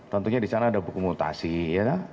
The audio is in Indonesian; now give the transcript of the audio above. tentunya disana ada buku mutasi ya